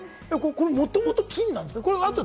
これ、もともと金なんですか？